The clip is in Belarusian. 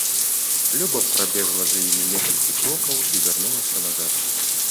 Люба прабегла за імі некалькі крокаў і вярнулася назад.